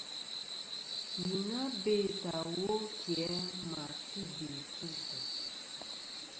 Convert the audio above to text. Yi na bêtɨ iwo kì a ma ti be sɨ zɨ.